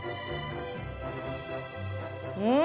うん！